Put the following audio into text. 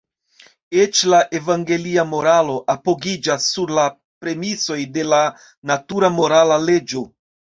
Eĉ la evangelia moralo apogiĝas sur la premisoj de la natura morala leĝo.